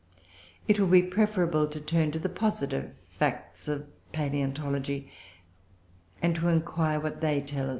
It will be preferable to turn to the positive facts of palaeontology, and to inquire what they tell us.